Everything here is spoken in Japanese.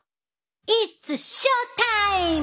イッツショータイム！